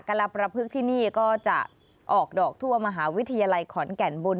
ละประพฤกษ์ที่นี่ก็จะออกดอกทั่วมหาวิทยาลัยขอนแก่นบุญ